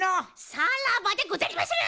さらばでござりまする！